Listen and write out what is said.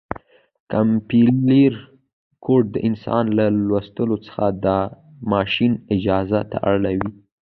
کمپایلر کوډ د انسان له لوستلو څخه د ماشین اجرا ته اړوي.